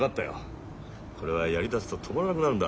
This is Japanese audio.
これはやりだすと止まらなくなるんだ。